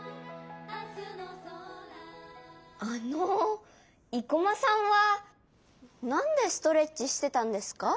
あの生駒さんはなんでストレッチしてたんですか？